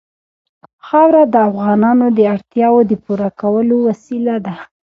خاوره د افغانانو د اړتیاوو د پوره کولو وسیله ده.